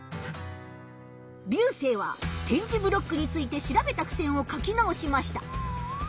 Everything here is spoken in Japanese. リュウセイは点字ブロックについて調べたふせんを書き直しました。